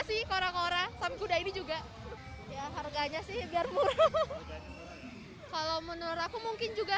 sih kora kora sangguda ini juga harganya sih biar buruh kalau menurut aku mungkin juga